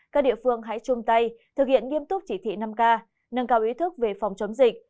các địa phương hãy chung tay thực hiện nghiêm túc chỉ thị năm k nâng cao ý thức về phòng chống dịch